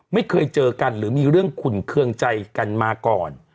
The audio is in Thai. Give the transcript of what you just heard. ไม่เคยเจอกันหรือมีเรื่องขุ่นเครื่องใจกันมาก่อน